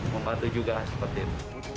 membantu juga seperti itu